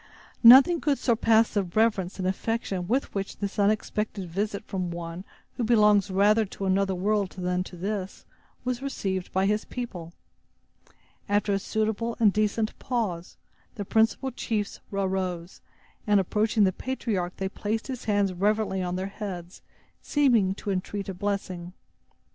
Nothing could surpass the reverence and affection with which this unexpected visit from one who belongs rather to another world than to this, was received by his people. After a suitable and decent pause, the principal chiefs arose, and, approaching the patriarch, they placed his hands reverently on their heads, seeming to entreat a blessing.